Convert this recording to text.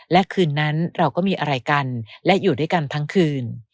และคืนนั้นเราก็มีอะไรกันและอยู่ด้วยกันทั้งคืน